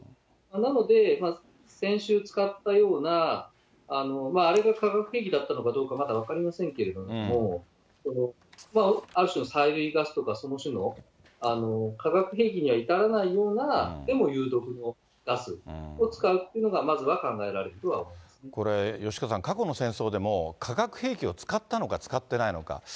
なので、先週使ったようなあれが化学兵器だったのかどうかまだ分かりませんけれども、ある種の催涙ガスとか、その種の化学兵器には至らないような、でも有毒のガスを使うというのが、まずは考えられるとこれ、吉川さん、過去の戦争でも化学兵器を使ったのか使ってないのか。